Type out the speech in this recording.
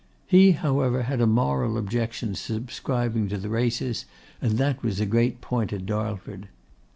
He however had a moral objection to subscribing to the races, and that was a great point at Darlford.